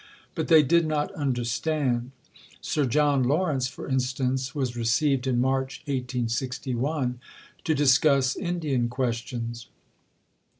But they did not understand. Sir John Lawrence, for instance, was received in March 1861, to discuss Indian questions.